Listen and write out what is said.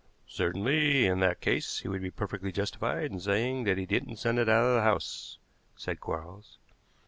"Certainly in that case he would be perfectly justified in saying that he didn't send it out of the house," said Quarles.